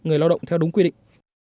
người lao động theo đúng quy định